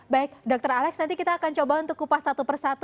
baik dr alex nanti kita akan coba untuk kupas satu persatu